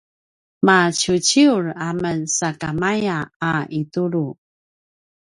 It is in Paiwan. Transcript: maciuciur amen sakamaya a kitulu